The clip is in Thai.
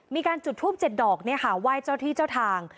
มีการจุดภูมิเจ็ดดอกเนี่ยค่ะไหว้เจ้าที่เจ้าทาง